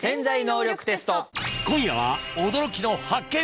今夜は驚きの発見